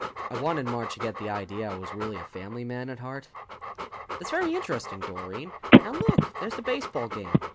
I wanted Marge to get the idea I was really a family man at heart. "That's very interesting, Doreen. Now look, there's the baseball game.